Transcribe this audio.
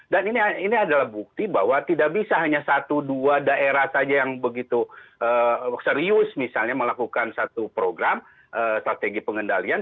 dan ini adalah bukti bahwa tidak bisa hanya satu dua daerah saja yang begitu serius misalnya melakukan satu program strategi pengendalian